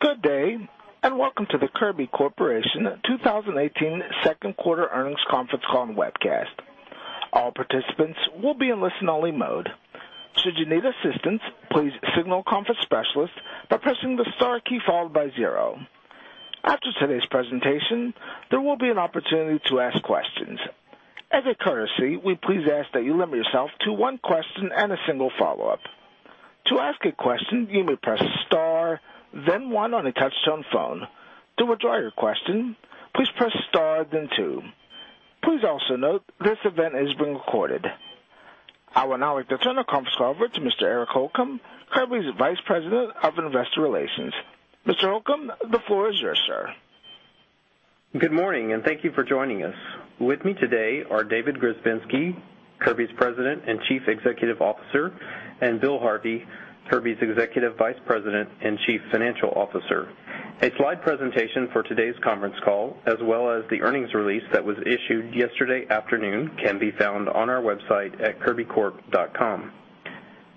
Good day, and welcome to the Kirby Corporation 2018 second quarter earnings conference call and webcast. All participants will be in listen-only mode. Should you need assistance, please signal conference specialist by pressing the star key followed by zero. After today's presentation, there will be an opportunity to ask questions. As a courtesy, we please ask that you limit yourself to one question and a single follow-up. To ask a question, you may press star, then one on a touch-tone phone. To withdraw your question, please press star, then two. Please also note this event is being recorded. I will now like to turn the conference call over to Mr. Eric Holcomb, Kirby's Vice President of Investor Relations. Mr. Holcomb, the floor is yours, sir. Good morning, and thank you for joining us. With me today are David Grzebinski, Kirby's President and Chief Executive Officer, and Bill Harvey, Kirby's Executive Vice President and Chief Financial Officer. A slide presentation for today's conference call, as well as the earnings release that was issued yesterday afternoon, can be found on our website at kirbycorp.com.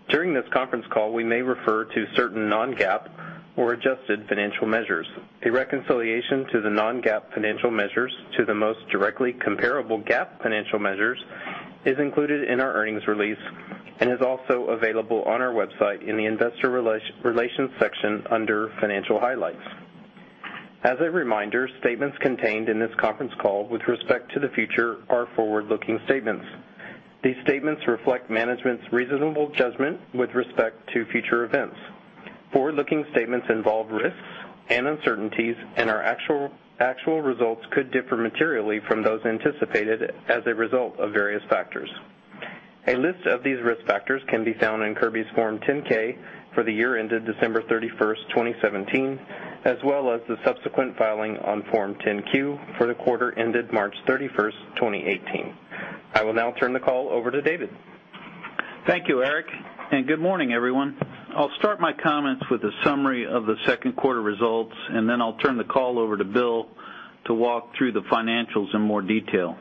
During this conference call, we may refer to certain non-GAAP or adjusted financial measures. A reconciliation to the non-GAAP financial measures to the most directly comparable GAAP financial measures is included in our earnings release and is also available on our website in the Investor Relations section under Financial Highlights. As a reminder, statements contained in this conference call with respect to the future are forward-looking statements. These statements reflect management's reasonable judgment with respect to future events. Forward-looking statements involve risks and uncertainties, and our actual results could differ materially from those anticipated as a result of various factors. A list of these risk factors can be found in Kirby's Form 10-K for the year ended December 31, 2017, as well as the subsequent filing on Form 10-Q for the quarter ended March 31, 2018. I will now turn the call over to David. Thank you, Eric, and good morning, everyone. I'll start my comments with a summary of the second quarter results, and then I'll turn the call over to Bill to walk through the financials in more detail.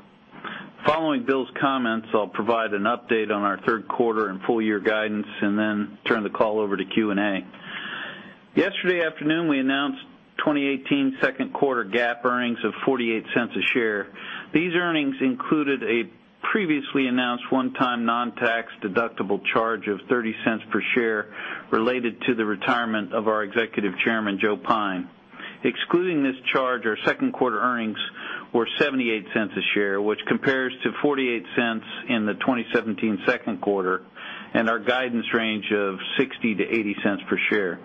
Following Bill's comments, I'll provide an update on our third quarter and full year guidance and then turn the call over to Q&A. Yesterday afternoon, we announced 2018 second quarter GAAP earnings of $0.48 a share. These earnings included a previously announced one-time, non-tax deductible charge of $0.30 per share related to the retirement of our Executive Chairman, Joe Pyne. Excluding this charge, our second quarter earnings were $0.78 a share, which compares to $0.48 in the 2017 second quarter, and our guidance range of $0.60-$0.80 a share.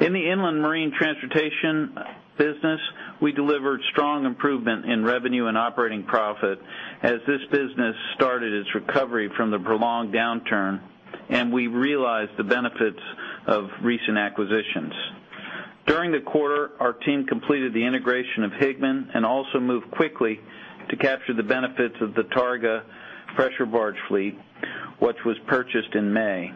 In the inland marine transportation business, we delivered strong improvement in revenue and operating profit as this business started its recovery from the prolonged downturn, and we realized the benefits of recent acquisitions. During the quarter, our team completed the integration of Higman and also moved quickly to capture the benefits of the Targa pressure barge fleet, which was purchased in May.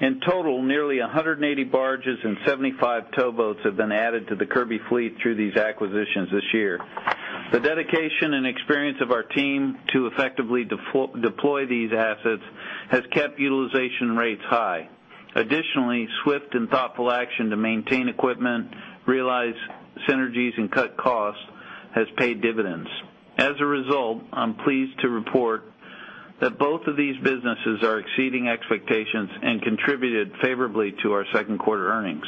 In total, nearly 180 barges and 75 towboats have been added to the Kirby fleet through these acquisitions this year. The dedication and experience of our team to effectively deploy these assets has kept utilization rates high. Additionally, swift and thoughtful action to maintain equipment, realize synergies and cut costs has paid dividends. As a result, I'm pleased to report that both of these businesses are exceeding expectations and contributed favorably to our second quarter earnings.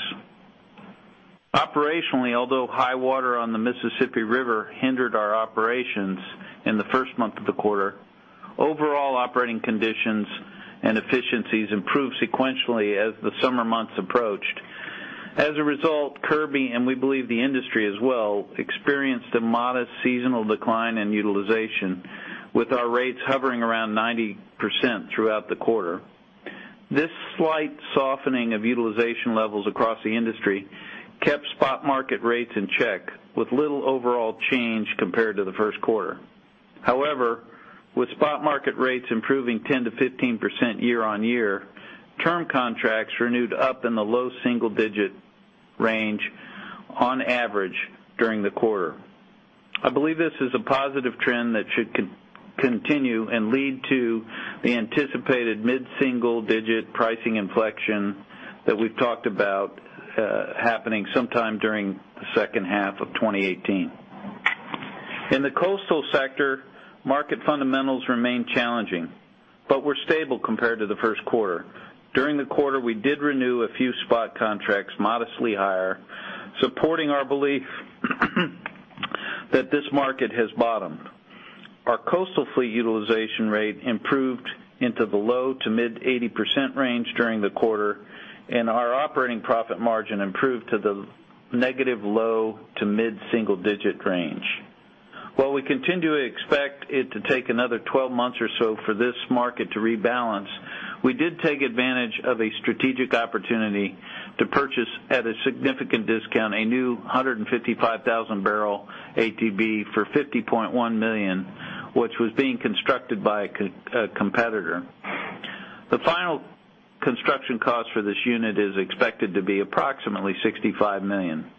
Operationally, although high water on the Mississippi River hindered our operations in the first month of the quarter, overall operating conditions and efficiencies improved sequentially as the summer months approached. As a result, Kirby, and we believe the industry as well, experienced a modest seasonal decline in utilization, with our rates hovering around 90% throughout the quarter. This slight softening of utilization levels across the industry kept spot market rates in check, with little overall change compared to the first quarter. However, with spot market rates improving 10%-15% year-on-year, term contracts renewed up in the low single digit range on average during the quarter. I believe this is a positive trend that should continue and lead to the anticipated mid-single digit pricing inflection that we've talked about, happening sometime during the second half of 2018. In the coastal sector, market fundamentals remain challenging, but were stable compared to the first quarter. During the quarter, we did renew a few spot contracts modestly higher, supporting our belief that this market has bottomed. Our coastal fleet utilization rate improved into the low- to mid-80% range during the quarter, and our operating profit margin improved to the negative low- to mid-single-digit range. While we continue to expect it to take another 12 months or so for this market to rebalance, we did take advantage of a strategic opportunity to purchase, at a significant discount, a new 155,000-barrel ATB for $50.1 million, which was being constructed by a competitor. The final construction cost for this unit is expected to be approximately $65 million.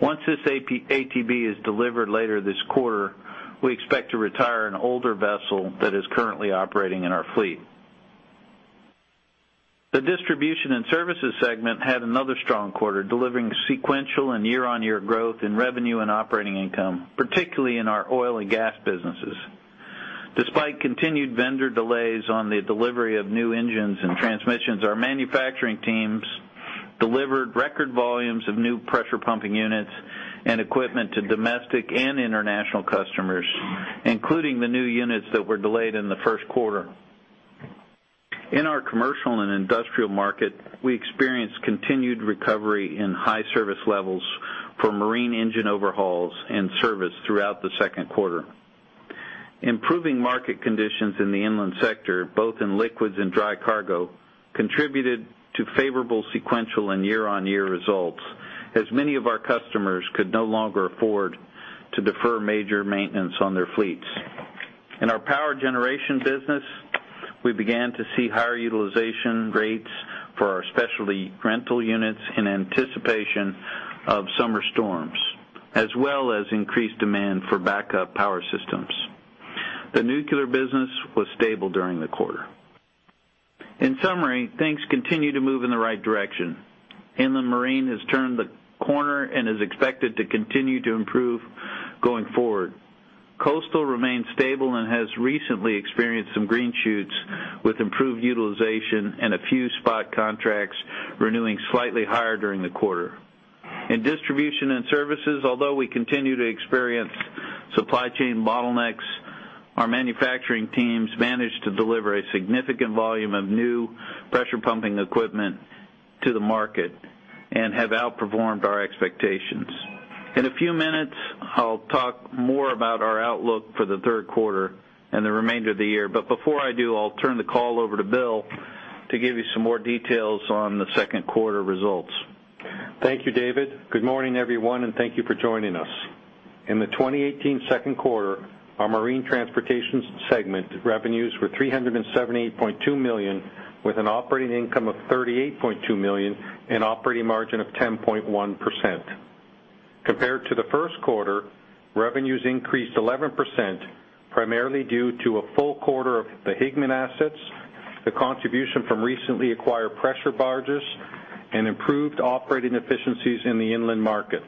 Once this ATB is delivered later this quarter, we expect to retire an older vessel that is currently operating in our fleet. The Distribution and Services segment had another strong quarter, delivering sequential and year-on-year growth in revenue and operating income, particularly in our oil and gas businesses. Despite continued vendor delays on the delivery of new engines and transmissions, our manufacturing teams delivered record volumes of new pressure pumping units and equipment to domestic and international customers, including the new units that were delayed in the first quarter. In our commercial and industrial market, we experienced continued recovery in high service levels for marine engine overhauls and service throughout the second quarter. Improving market conditions in the inland sector, both in liquids and dry cargo, contributed to favorable sequential and year-on-year results, as many of our customers could no longer afford to defer major maintenance on their fleets. In our power generation business, we began to see higher utilization rates for our specialty rental units in anticipation of summer storms, as well as increased demand for backup power systems. The nuclear business was stable during the quarter. In summary, things continue to move in the right direction. Inland Marine has turned the corner and is expected to continue to improve going forward. Coastal remains stable and has recently experienced some green shoots with improved utilization and a few spot contracts renewing slightly higher during the quarter. In Distribution and Services, although we continue to experience supply chain bottlenecks, our manufacturing teams managed to deliver a significant volume of new pressure pumping equipment to the market and have outperformed our expectations. In a few minutes, I'll talk more about our outlook for the third quarter and the remainder of the year. But before I do, I'll turn the call over to Bill to give you some more details on the second quarter results. Thank you, David. Good morning, everyone, and thank you for joining us. In the 2018 second quarter, our Marine Transportation segment revenues were $378.2 million, with an operating income of $38.2 million, and operating margin of 10.1%. Compared to the first quarter, revenues increased 11%, primarily due to a full quarter of the Higman assets, the contribution from recently acquired pressure barges, and improved operating efficiencies in the inland market.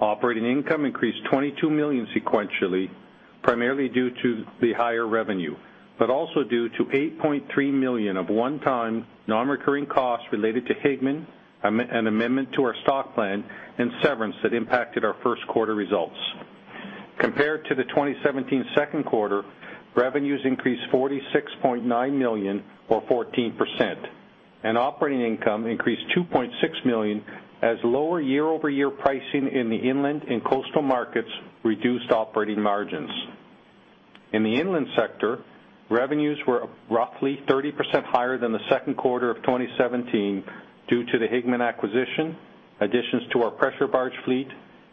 Operating income increased $22 million sequentially, primarily due to the higher revenue, but also due to $8.3 million of one-time, non-recurring costs related to Higman, an amendment to our stock plan, and severance that impacted our first quarter results. Compared to the 2017 second quarter, revenues increased $46.9 million, or 14%, and operating income increased $2.6 million, as lower year-over-year pricing in the inland and coastal markets reduced operating margins. In the inland sector, revenues were roughly 30% higher than the second quarter of 2017 due to the Higman acquisition, additions to our pressure barge fleet,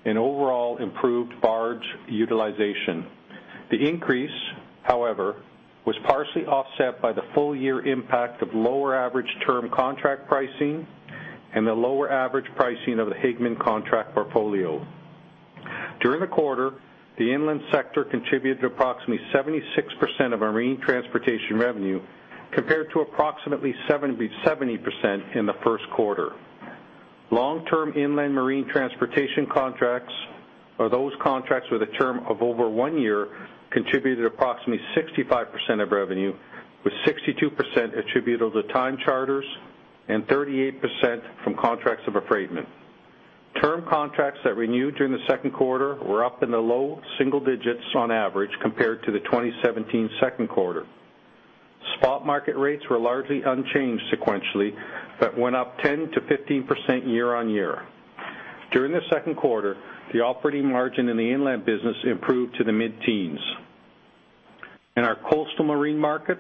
and overall improved barge utilization. The increase, however, was partially offset by the full year impact of lower average term contract pricing and the lower average pricing of the Higman contract portfolio. During the quarter, the inland sector contributed to approximately 76% of our marine transportation revenue, compared to approximately 77% in the first quarter. Long-term inland marine transportation contracts, or those contracts with a term of over one year, contributed approximately 65% of revenue, with 62% attributable to time charters and 38% from contracts of affreightment. Term contracts that renewed during the second quarter were up in the low single digits on average compared to the 2017 second quarter. Spot market rates were largely unchanged sequentially, but went up 10%-15% year-over-year. During the second quarter, the operating margin in the inland business improved to the mid-teens. In our coastal marine market,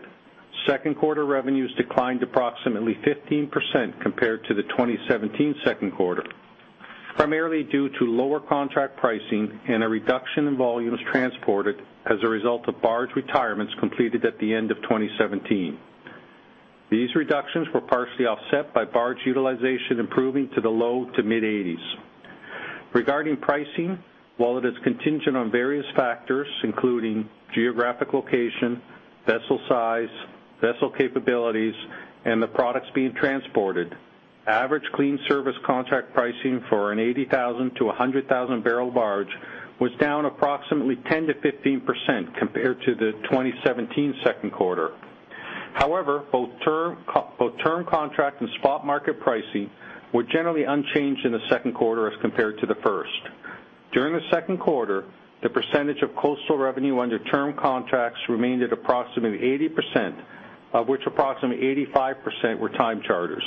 second quarter revenues declined approximately 15% compared to the 2017 second quarter, primarily due to lower contract pricing and a reduction in volumes transported as a result of barge retirements completed at the end of 2017. These reductions were partially offset by barge utilization improving to the low to mid-80s. Regarding pricing, while it is contingent on various factors, including geographic location, vessel size, vessel capabilities, and the products being transported, average clean service contract pricing for an 80,000-100,000-barrel barge was down approximately 10%-15% compared to the 2017 second quarter. However, both term contract and spot market pricing were generally unchanged in the second quarter as compared to the first. During the second quarter, the percentage of coastal revenue under term contracts remained at approximately 80%, of which approximately 85% were time charters.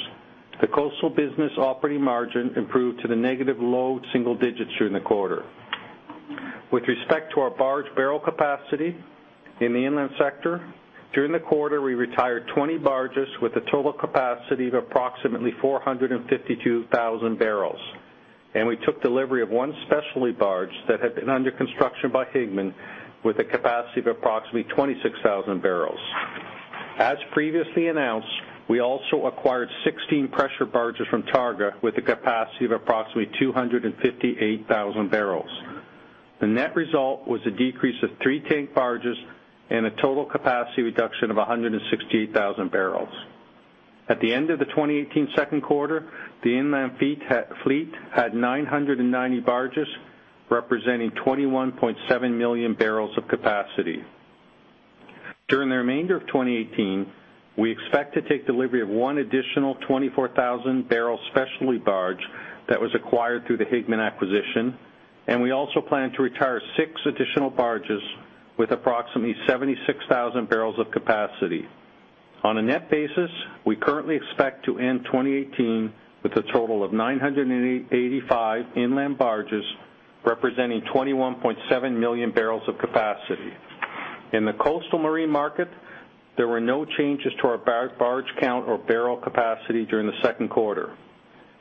The coastal business operating margin improved to the negative low double single digits during the quarter. With respect to our barge barrel capacity in the inland sector, during the quarter, we retired 20 barges with a total capacity of approximately 452,000 barrels, and we took delivery of 1 specialty barge that had been under construction by Higman with a capacity of approximately 26,000 barrels. As previously announced, we also acquired 16 pressure barges from Targa with a capacity of approximately 258,000 barrels. The net result was a decrease of 3 tank barges and a total capacity reduction of 168,000 barrels. At the end of the 2018 second quarter, the inland fleet had 990 barges, representing 21.7 million barrels of capacity. During the remainder of 2018, we expect to take delivery of one additional 24,000-barrel specialty barge that was acquired through the Higman acquisition, and we also plan to retire 6 additional barges with approximately 76,000 barrels of capacity. On a net basis, we currently expect to end 2018 with a total of 985 inland barges, representing 21.7 million barrels of capacity. In the coastal marine market, there were no changes to our barge count or barrel capacity during the second quarter.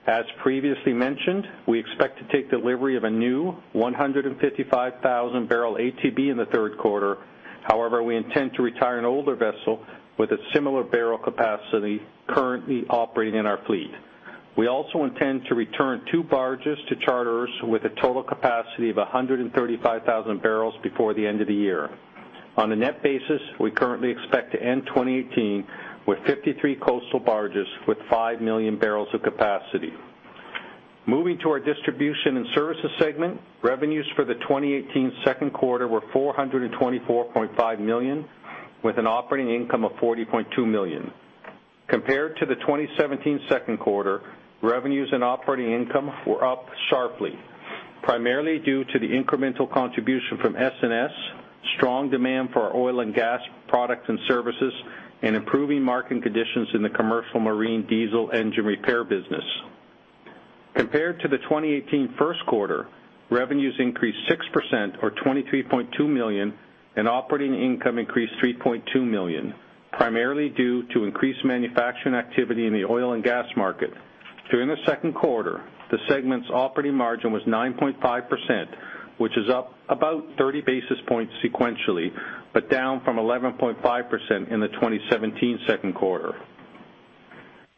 As previously mentioned, we expect to take delivery of a new 155,000-barrel ATB in the third quarter. However, we intend to retire an older vessel with a similar barrel capacity currently operating in our fleet. We also intend to return two barges to charterers with a total capacity of 135,000 barrels before the end of the year. On a net basis, we currently expect to end 2018 with 53 coastal barges with 5 million barrels of capacity. Moving to our distribution and services segment, revenues for the 2018 second quarter were $424.5 million, with an operating income of $40.2 million. Compared to the 2017 second quarter, revenues and operating income were up sharply, primarily due to the incremental contribution from S&S, strong demand for our oil and gas products and services, and improving market conditions in the commercial marine diesel engine repair business. Compared to the 2018 first quarter, revenues increased 6%, or $23.2 million, and operating income increased $3.2 million, primarily due to increased manufacturing activity in the oil and gas market. During the second quarter, the segment's operating margin was 9.5%, which is up about 30 basis points sequentially, but down from 11.5% in the 2017 second quarter.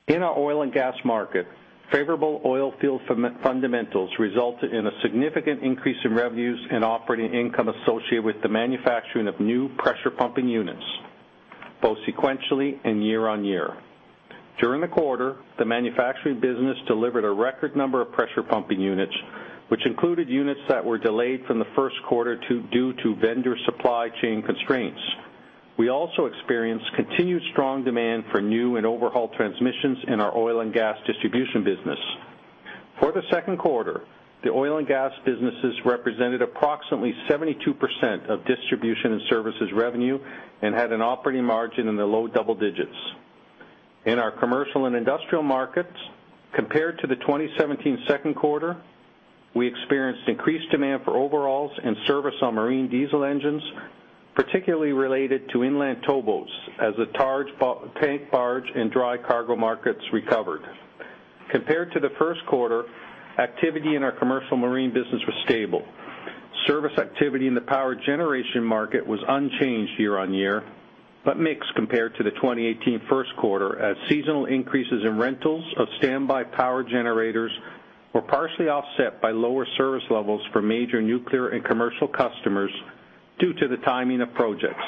In our oil and gas market, favorable oil field fundamentals resulted in a significant increase in revenues and operating income associated with the manufacturing of new pressure pumping units, both sequentially and year-on-year. During the quarter, the manufacturing business delivered a record number of pressure pumping units, which included units that were delayed from the first quarter due to vendor supply chain constraints. We also experienced continued strong demand for new and overhauled transmissions in our oil and gas distribution business. For the second quarter, the oil and gas businesses represented approximately 72% of distribution and services revenue and had an operating margin in the low double digits. In our commercial and industrial markets, compared to the 2017 second quarter, we experienced increased demand for overhauls and service on marine diesel engines, particularly related to inland towboats, as the tank barge and dry cargo markets recovered. Compared to the first quarter, activity in our commercial marine business was stable. Service activity in the power generation market was unchanged year-on-year, but mixed compared to the 2018 first quarter, as seasonal increases in rentals of standby power generators were partially offset by lower service levels for major nuclear and commercial customers due to the timing of projects.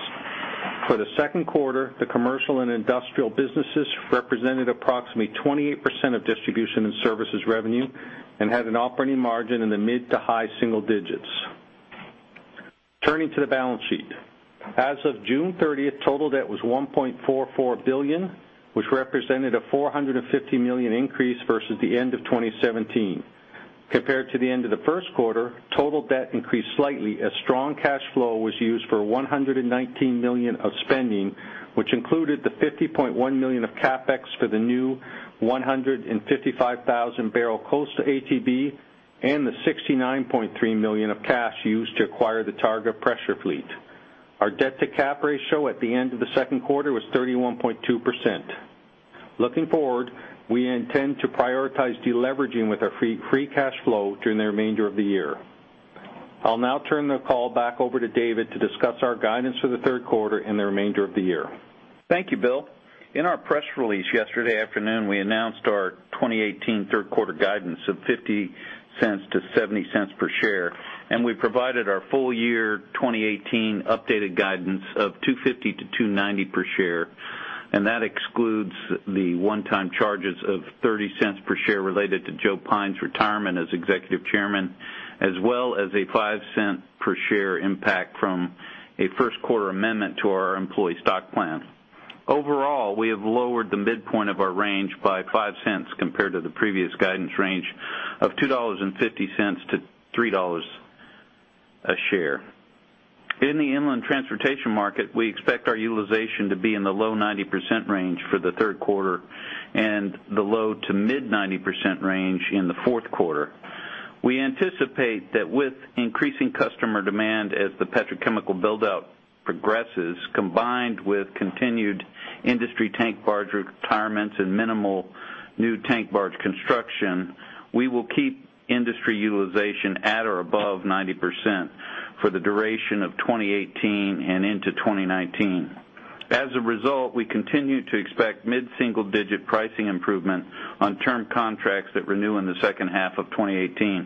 For the second quarter, the commercial and industrial businesses represented approximately 28% of distribution and services revenue and had an operating margin in the mid- to high-single digits. Turning to the balance sheet. As of June 30th, total debt was $1.44 billion, which represented a $450 million increase versus the end of 2017. Compared to the end of the first quarter, total debt increased slightly as strong cash flow was used for $119 million of spending, which included the $50.1 million of CapEx for the new 155,000-barrel coastal ATB and the $69.3 million of cash used to acquire the Targa pressure fleet. Our debt-to-cap ratio at the end of the second quarter was 31.2%. Looking forward, we intend to prioritize deleveraging with our free cash flow during the remainder of the year. I'll now turn the call back over to David to discuss our guidance for the third quarter and the remainder of the year. Thank you, Bill. In our press release yesterday afternoon, we announced our 2018 third quarter guidance of $0.50-$0.70 per share, and we provided our full-year 2018 updated guidance of $2.50-$2.90 per share, and that excludes the one-time charges of $0.30 per share related to Joe Pyne's retirement as Executive Chairman, as well as a $0.05 per share impact from a first quarter amendment to our employee stock plan. Overall, we have lowered the midpoint of our range by $0.05 compared to the previous guidance range of $2.50-$3 per share. In the inland transportation market, we expect our utilization to be in the low 90% range for the third quarter and the low-to-mid 90% range in the fourth quarter. We anticipate that with increasing customer demand as the petrochemical buildout progresses, combined with continued industry tank barge retirements and minimal new tank barge construction, we will keep industry utilization at or above 90% for the duration of 2018 and into 2019. As a result, we continue to expect mid-single-digit pricing improvement on term contracts that renew in the second half of 2018.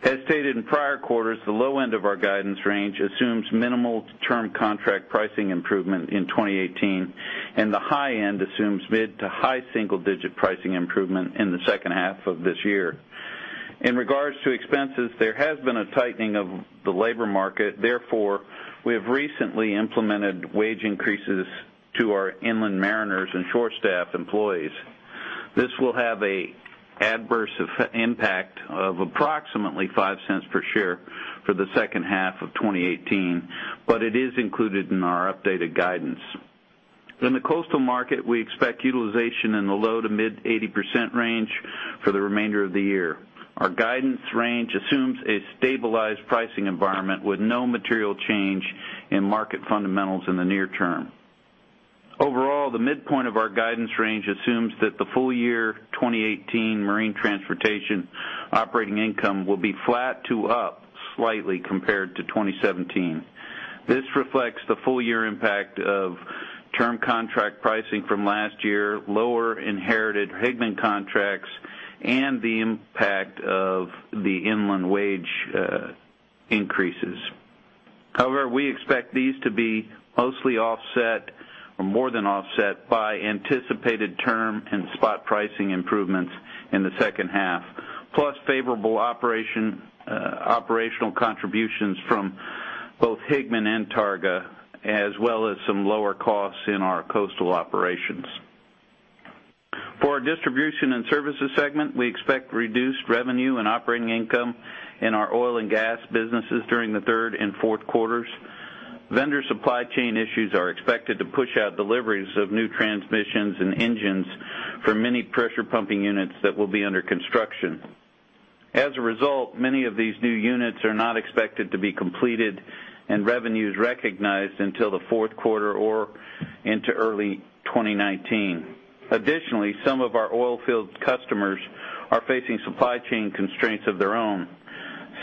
As stated in prior quarters, the low end of our guidance range assumes minimal term contract pricing improvement in 2018, and the high end assumes mid to high single-digit pricing improvement in the second half of this year. In regards to expenses, there has been a tightening of the labor market, therefore, we have recently implemented wage increases to our inland mariners and shore staff employees. This will have an adverse impact of approximately $0.05 per share for the second half of 2018, but it is included in our updated guidance. In the coastal market, we expect utilization in the low- to mid-80% range for the remainder of the year. Our guidance range assumes a stabilized pricing environment with no material change in market fundamentals in the near term. Overall, the midpoint of our guidance range assumes that the full-year 2018 marine transportation operating income will be flat to up slightly compared to 2017. This reflects the full-year impact of term contract pricing from last year, lower inherited Higman contracts, and the impact of the inland wage increases. However, we expect these to be mostly offset, or more than offset, by anticipated term and spot pricing improvements in the second half, plus favorable operational contributions from both Higman and Targa, as well as some lower costs in our coastal operations. For our distribution and services segment, we expect reduced revenue and operating income in our oil and gas businesses during the third and fourth quarters. Vendor supply chain issues are expected to push out deliveries of new transmissions and engines for many pressure pumping units that will be under construction. As a result, many of these new units are not expected to be completed and revenues recognized until the fourth quarter or into early 2019. Additionally, some of our oil field customers are facing supply chain constraints of their own.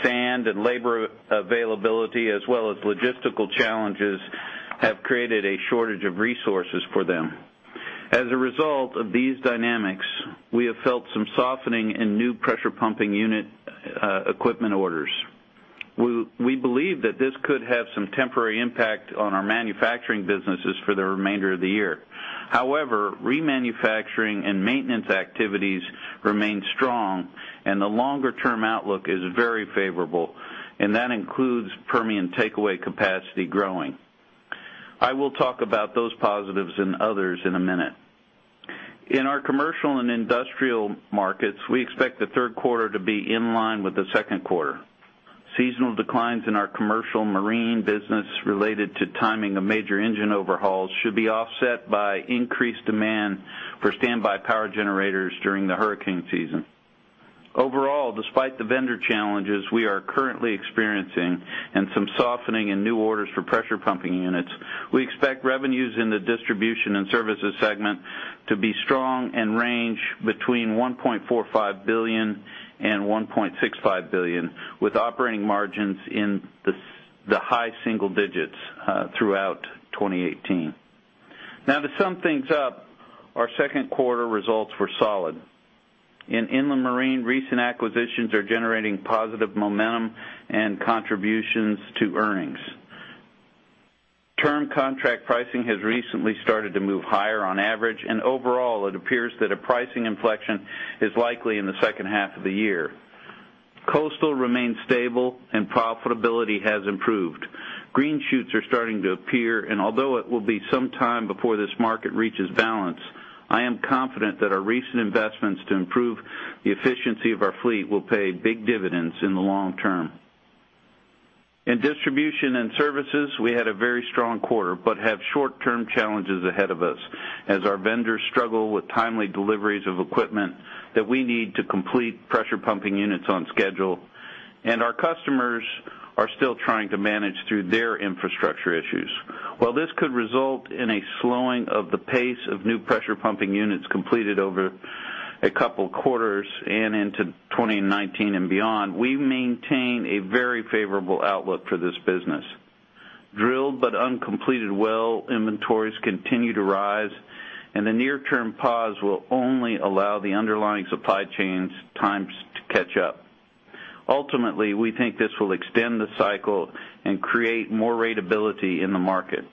Sand and labor availability, as well as logistical challenges, have created a shortage of resources for them. As a result of these dynamics, we have felt some softening in new pressure pumping unit equipment orders. We, we believe that this could have some temporary impact on our manufacturing businesses for the remainder of the year. However, remanufacturing and maintenance activities remain strong, and the longer term outlook is very favorable, and that includes Permian takeaway capacity growing. I will talk about those positives and others in a minute. In our commercial and industrial markets, we expect the third quarter to be in line with the second quarter. Seasonal declines in our commercial marine business related to timing of major engine overhauls should be offset by increased demand for standby power generators during the hurricane season. Overall, despite the vendor challenges we are currently experiencing and some softening in new orders for pressure pumping units, we expect revenues in the distribution and services segment to be strong and range between $1.45 billion and $1.65 billion, with operating margins in the high single digits throughout 2018. Now to sum things up, our second quarter results were solid. In inland marine, recent acquisitions are generating positive momentum and contributions to earnings. Term contract pricing has recently started to move higher on average, and overall, it appears that a pricing inflection is likely in the second half of the year. Coastal remains stable and profitability has improved. Green shoots are starting to appear, and although it will be some time before this market reaches balance, I am confident that our recent investments to improve the efficiency of our fleet will pay big dividends in the long term. In distribution and services, we had a very strong quarter, but have short-term challenges ahead of us, as our vendors struggle with timely deliveries of equipment that we need to complete pressure pumping units on schedule, and our customers are still trying to manage through their infrastructure issues. While this could result in a slowing of the pace of new pressure pumping units completed over a couple quarters and into 2019 and beyond, we maintain a very favorable outlook for this business. Drilled but uncompleted well inventories continue to rise, and the near term pause will only allow the underlying supply chains times to catch up. Ultimately, we think this will extend the cycle and create more ratability in the market.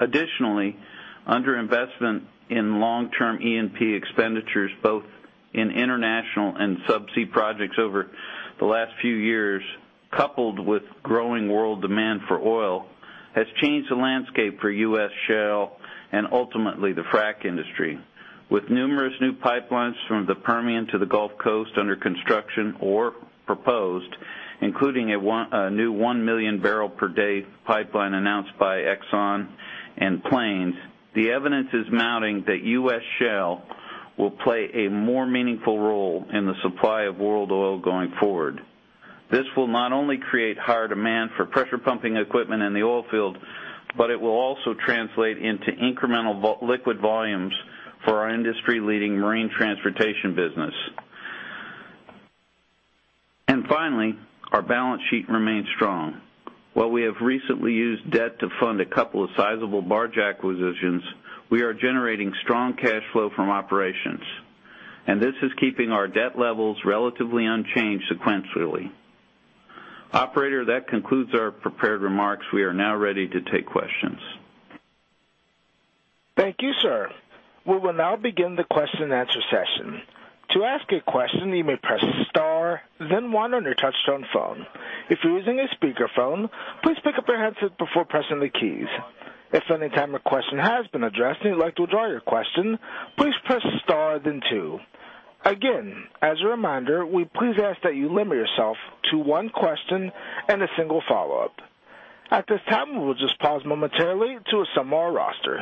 Additionally, under investment in long-term E&P expenditures, both in international and subsea projects over the last few years, coupled with growing world demand for oil, has changed the landscape for U.S. shale and ultimately the frack industry. With numerous new pipelines from the Permian to the Gulf Coast under construction or proposed, including a new 1 million barrel per day pipeline announced by Exxon and Plains, the evidence is mounting that U.S. shale will play a more meaningful role in the supply of world oil going forward. This will not only create higher demand for pressure pumping equipment in the oil field, but it will also translate into incremental liquid volumes for our industry-leading marine transportation business. Finally, our balance sheet remains strong. While we have recently used debt to fund a couple of sizable barge acquisitions, we are generating strong cash flow from operations, and this is keeping our debt levels relatively unchanged sequentially. Operator, that concludes our prepared remarks. We are now ready to take questions. Thank you, sir. We will now begin the question-and-answer session. To ask a question, you may press star, then one on your touchtone phone. If you're using a speakerphone, please pick up your handset before pressing the keys. If any time a question has been addressed, and you'd like to withdraw your question, please press star, then two. Again, as a reminder, we please ask that you limit yourself to one question and a single follow-up. At this time, we will just pause momentarily to assemble our roster.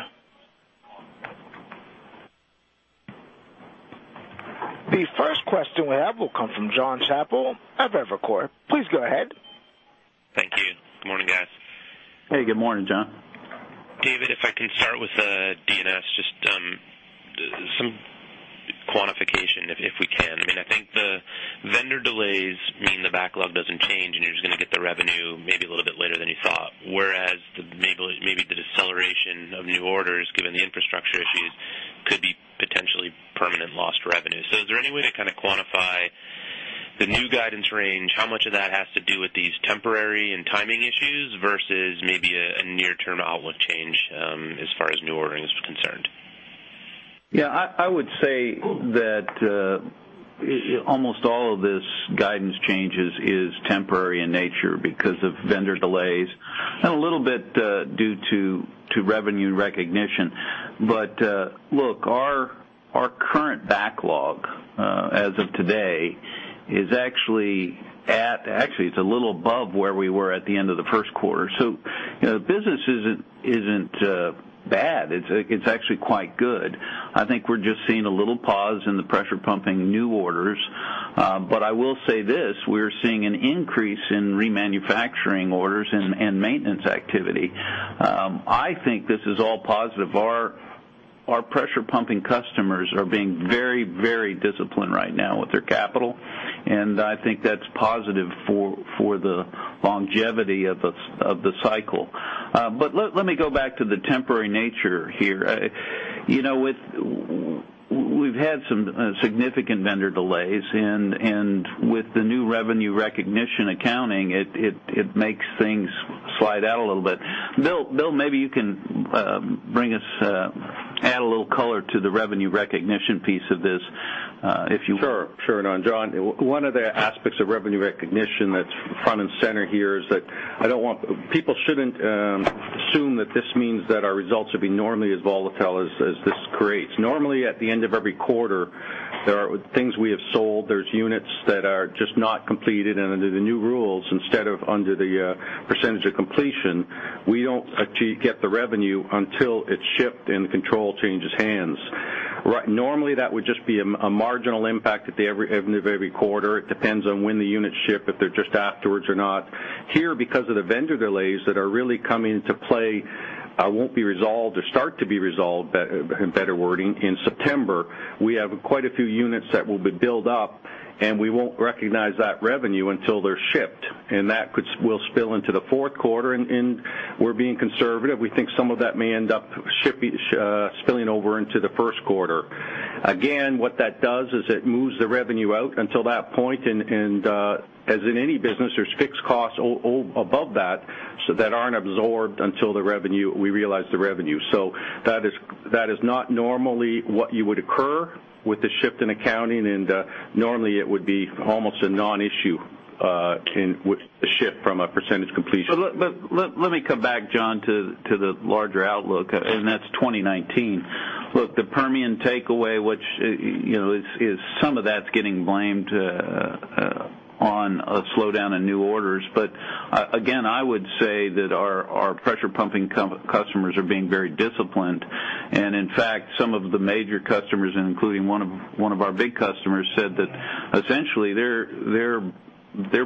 The first question we have will come from Jon Chappell of Evercore. Please go ahead. Thank you. Good morning, guys. Hey, good mrning, Jon. David, if I can start with, D&S, just, some quantification, if we can. I mean, I think the vendor delays mean the backlog doesn't change, and you're just gonna get the revenue maybe a little bit later than you thought, whereas maybe the deceleration of new orders, given the infrastructure issues, could be potentially permanent lost revenue. So is there any way to kind of quantify the new guidance range, how much of that has to do with these temporary and timing issues versus maybe a near-term outlook change, as far as new ordering is concerned? Yeah, I would say that almost all of this guidance changes is temporary in nature because of vendor delays and a little bit due to revenue recognition. But look, our current backlog as of today is actually a little above where we were at the end of the first quarter. So, you know, business isn't bad. It's actually quite good. I think we're just seeing a little pause in the pressure pumping new orders. But I will say this: we're seeing an increase in remanufacturing orders and maintenance activity. I think this is all positive. Our pressure pumping customers are being very disciplined right now with their capital, and I think that's positive for the longevity of the cycle. But let me go back to the temporary nature here. You know, with we've had some significant vendor delays, and with the new revenue recognition accounting, it makes things slide out a little bit. Bill, maybe you can bring us add a little color to the revenue recognition piece of this, if you- Sure, sure. And, Jon, one of the aspects of revenue recognition that's front and center here is that I don't want people shouldn't assume that this means that our results will be normally as volatile as this creates. Normally, at the end of every quarter, there are things we have sold, there's units that are just not completed, and under the new rules, instead of under the percentage of completion, we don't get the revenue until it's shipped and the control changes hands. Normally, that would just be a marginal impact at every quarter. It depends on when the units ship, if they're just afterwards or not. Here, because of the vendor delays that are really coming to play, won't be resolved or start to be resolved, better wording, in September, we have quite a few units that will be built up, and we won't recognize that revenue until they're shipped, and that could will spill into the fourth quarter, and we're being conservative. We think some of that may end up shipping, spilling over into the first quarter. Again, what that does is it moves the revenue out until that point, and, as in any business, there's fixed costs all, all above that, so that aren't absorbed until the revenue we realize the revenue. So that is, that is not normally what you would occur with the shift in accounting, and, normally it would be almost a non-issue, with the shift from a percentage completion. But let me come back, Jon, to the larger outlook, and that's 2019. Look, the Permian takeaway, which, you know, is some of that's getting blamed on a slowdown in new orders. But again, I would say that our pressure pumping customers are being very disciplined. And in fact, some of the major customers, including one of our big customers, said that essentially they're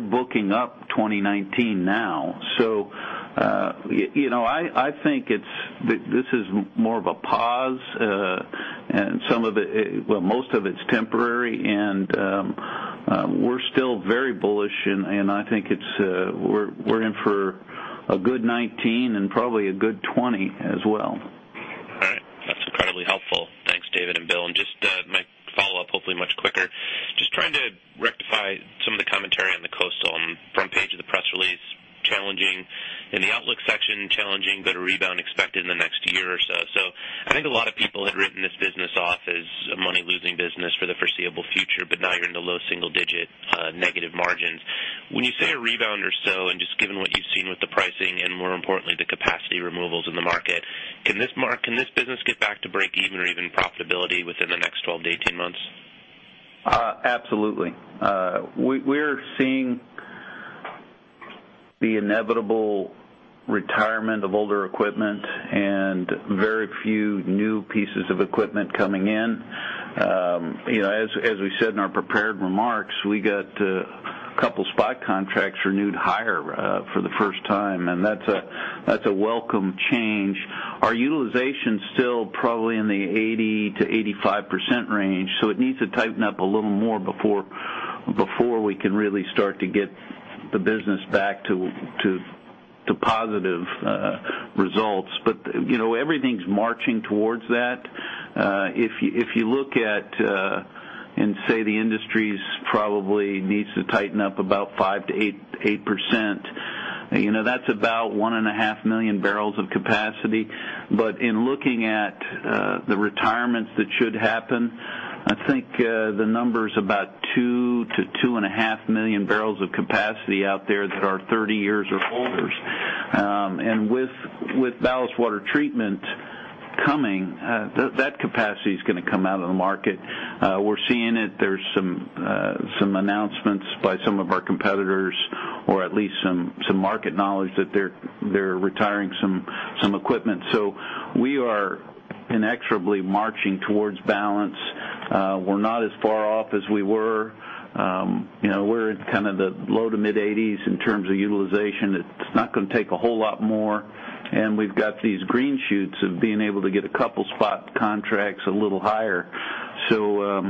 booking up 2019 now. So, you know, I think it's this is more of a pause, and some of it, well, most of it's temporary, and we're still very bullish, and I think it's, we're in for a good 2019 and probably a good 2020 as well. All right. That's incredibly helpful. Thanks, David and Bill. And just my follow-up, hopefully much quicker. Just trying to rectify some of the commentary on the coastal on front page of the press release, challenging in the outlook section, challenging, but a rebound expected in the next year or so. So I think a lot of people had written this business off as a money-losing business for the foreseeable future, but now you're in the low single digit negative margins. When you say a rebound or so, and just given what you've seen with the pricing and more importantly, the capacity removals in the market, can this business get back to break even or even profitability within the next 12-18 months? Absolutely. We're seeing the inevitable retirement of older equipment and very few new pieces of equipment coming in. You know, as we said in our prepared remarks, we got a couple spot contracts renewed higher for the first time, and that's a welcome change. Our utilization's still probably in the 80%-85% range, so it needs to tighten up a little more before we can really start to get the business back to positive results. But, you know, everything's marching towards that. If you look at and say the industry's probably needs to tighten up about 5%-8%, you know, that's about 1.5 million barrels of capacity. But in looking at the retirements that should happen, I think the number's about 2-2.5 million barrels of capacity out there that are 30 years or older. And with ballast water treatment coming, that capacity is gonna come out of the market. We're seeing it. There's some announcements by some of our competitors, or at least some market knowledge that they're retiring some equipment. So we are inexorably marching towards balance. We're not as far off as we were. You know, we're at kind of the low to mid-80s in terms of utilization. It's not gonna take a whole lot more, and we've got these green shoots of being able to get a couple spot contracts a little higher. So,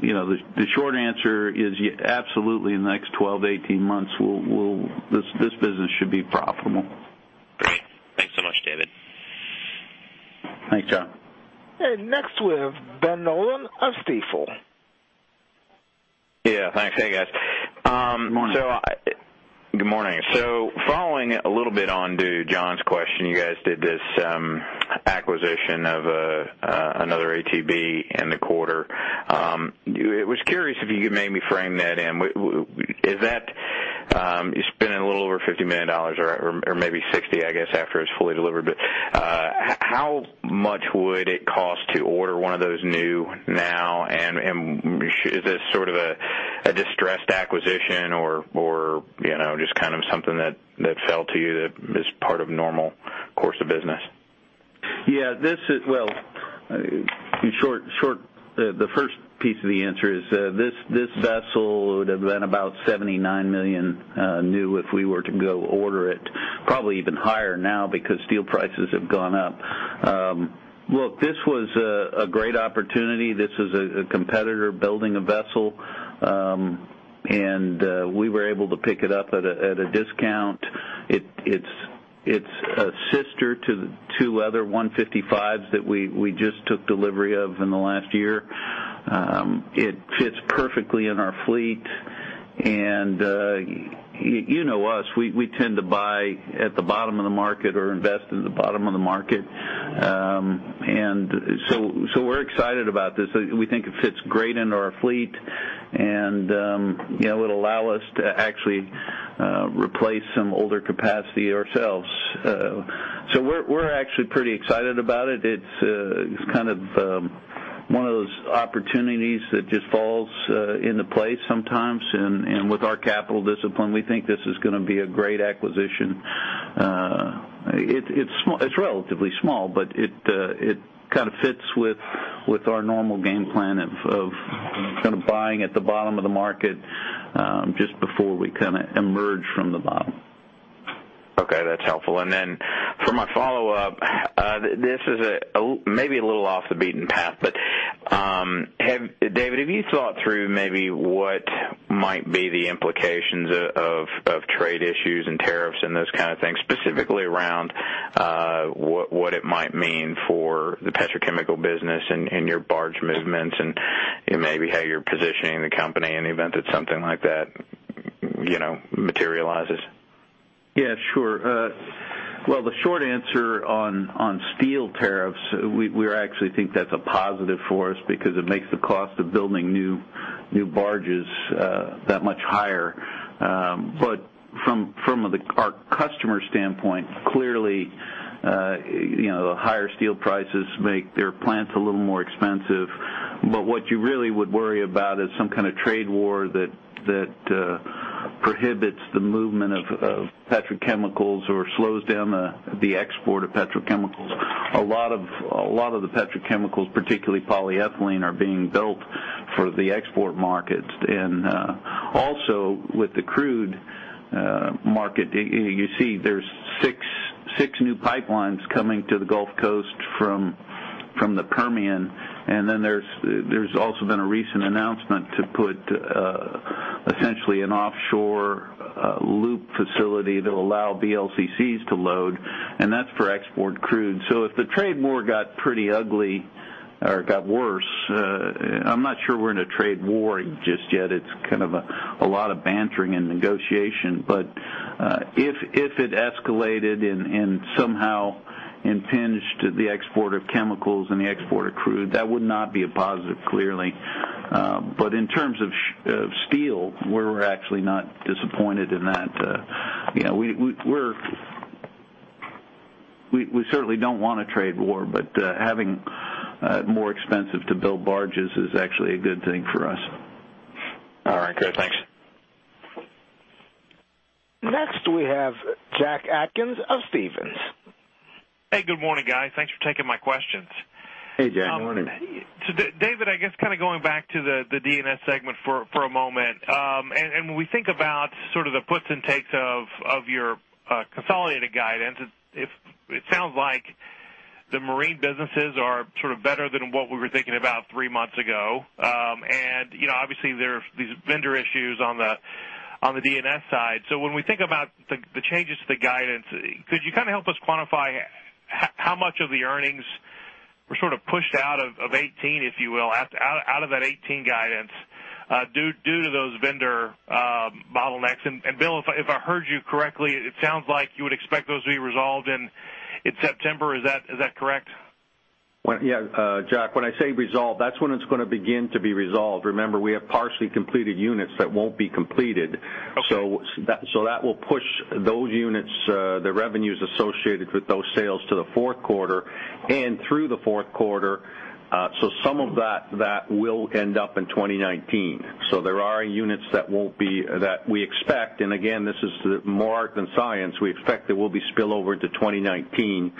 you know, the short answer is, absolutely, in the next 12-18 months, we'll, this business should be profitable. Great. Thanks so much, David. Thanks, Jon. Next, we have Ben Nolan of Stifel. Yeah, thanks. Hey, guys. Good morning. Good morning. Following a little bit onto Jon's question, you guys did this acquisition of another ATB in the quarter. I was curious if you could maybe frame that in. Is that you're spending a little over $50 million or maybe $60 million, I guess, after it's fully delivered. But how much would it cost to order one of those new now? And is this sort of a distressed acquisition or, you know, just kind of something that fell to you that is part of normal course of business? Yeah, this is. Well, in short, the first piece of the answer is, this vessel would have been about $79 million new if we were to go order it. Probably even higher now because steel prices have gone up. Look, this was a great opportunity. This is a competitor building a vessel, and we were able to pick it up at a discount. It's a sister to the two other 155s that we just took delivery of in the last year. It fits perfectly in our fleet, and you know us, we tend to buy at the bottom of the market or invest in the bottom of the market. And so we're excited about this. We think it fits great into our fleet, and, you know, it'll allow us to actually replace some older capacity ourselves. So we're, we're actually pretty excited about it. It's kind of one of those opportunities that just falls into place sometimes. And with our capital discipline, we think this is gonna be a great acquisition. It's, it's relatively small, but it kind of fits with our normal game plan of kind of buying at the bottom of the market, just before we kind of emerge from the bottom. Okay, that's helpful. And then for my follow-up, this is maybe a little off the beaten path, but David, have you thought through maybe what might be the implications of trade issues and tariffs and those kind of things, specifically around what it might mean for the petrochemical business and your barge movements, and maybe how you're positioning the company in the event that something like that, you know, materializes? Yeah, sure. Well, the short answer on steel tariffs, we actually think that's a positive for us because it makes the cost of building new barges that much higher. But from our customer's standpoint, clearly, you know, higher steel prices make their plants a little more expensive. But what you really would worry about is some kind of trade war that prohibits the movement of petrochemicals or slows down the export of petrochemicals. A lot of, a lot of the petrochemicals, particularly polyethylene, are being built for the export markets. Also, with the crude market, you see there are 6 new pipelines coming to the Gulf Coast from the Permian, and then there's also been a recent announcement to put essentially an offshore LOOP facility that will allow VLCCs to load, and that's for export crude. So if the trade war got pretty ugly or got worse, I'm not sure we're in a trade war just yet. It's kind of a lot of bantering and negotiation, but if it escalated and somehow impinged the export of chemicals and the export of crude, that would not be a positive, clearly. But in terms of shortage of steel, we're actually not disappointed in that. You know, we certainly don't want a trade war, but having more expensive to build barges is actually a good thing for us. All right, great. Thanks. Next, we have Jack Atkins of Stephens. Hey, good morning, guys. Thanks for taking my questions. Hey, Jack. Good morning. So David, I guess kind of going back to the, the D&S segment for, for a moment, and, and when we think about sort of the puts and takes of, of your, consolidated guidance, it, it sounds like the marine businesses are sort of better than what we were thinking about three months ago. And, you know, obviously, there are these vendor issues on the, on the D&S side. So when we think about the, the changes to the guidance, could you kind of help us quantify how, how much of the earnings were sort of pushed out of, of 2018, if you will, out, out of that 2018 guidance, due, due to those vendor, bottlenecks? And, and Bill, if I, if I heard you correctly, it sounds like you would expect those to be resolved in, in September. Is that, is that correct? Well, yeah, Jack, when I say resolved, that's when it's gonna begin to be resolved. Remember, we have partially completed units that won't be completed. Okay. So that will push those units, the revenues associated with those sales to the fourth quarter and through the fourth quarter. So some of that will end up in 2019. So there are units that won't be that we expect, and again, this is more art than science, we expect there will be spillover to 2019.